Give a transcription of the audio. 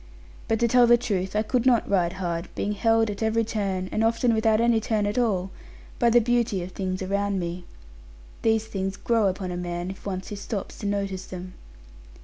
But, to tell the truth, I could not ride hard, being held at every turn, and often without any turn at all, by the beauty of things around me. These things grow upon a man if once he stops to notice them.